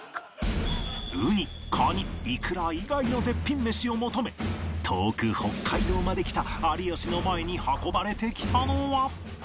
ウニ・カニ・いくら以外の絶品メシを求め遠く北海道まで来た有吉の前に運ばれてきたのは